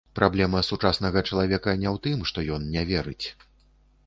Праблема сучаснага чалавека не ў тым, што ён не верыць.